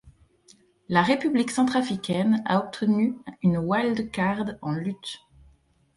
La République centrafricaine a obtenu une wild card en lutte.